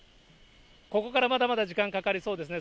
ここからまだまだ時間かかりそうですね。